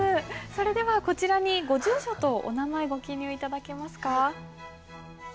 それではこちらにご住所とお名前ご記入頂けますか？